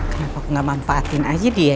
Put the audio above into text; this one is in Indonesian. kenapa gak mampatin aja dia ya